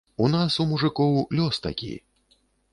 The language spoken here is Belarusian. У нас, у мужыкоў, лёс такі.